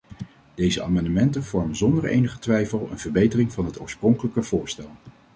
Deze amendementen vormen zonder enige twijfel een verbetering van het oorspronkelijke voorstel.